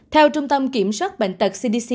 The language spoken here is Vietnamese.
theo trung tâm kiểm soát bệnh tật cdc